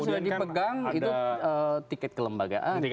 sudah dipegang itu tiket kelembagaan